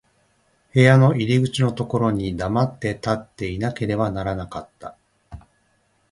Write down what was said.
部屋の入口のところに黙って立っていなければならなかった。